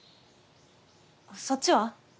そっちは？